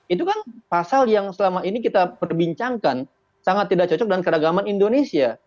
itu kan pasal yang selama ini kita perbincangkan sangat tidak cocok dengan keragaman indonesia